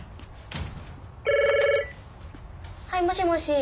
はいもしもし。